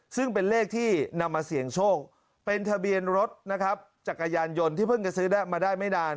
ซึ่งเป็นเลขที่นำมาเสี่ยงโชคเป็นทะเบียนรถนะครับจักรยานยนต์ที่เพิ่งจะซื้อได้มาได้ไม่นาน